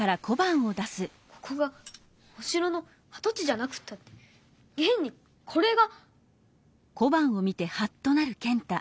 ここがお城のあと地じゃなくったってげんにこれが。